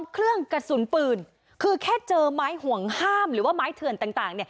เครื่องกระสุนปืนคือแค่เจอไม้ห่วงห้ามหรือว่าไม้เถื่อนต่าง